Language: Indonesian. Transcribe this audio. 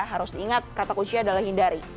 harus ingat kata kuncinya adalah hindari